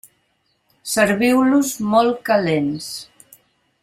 Serviu-los molt calents.